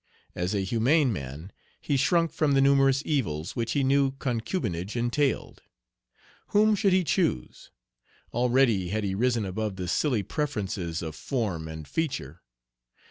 As a humane man, he shrunk from the numerous evils which he knew concubinage entailed. Whom should he choose? Already had he risen above the silly preferences of form and feature.